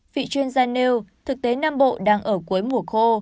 vị chuyên gia nêu thực tế nam bộ đang ở cuối mùa khô